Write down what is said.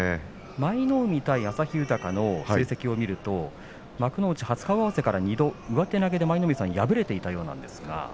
舞の海と旭豊の成績を見ると幕内初顔合わせから二度上手投げで舞の海さんに敗れていたようなんですね。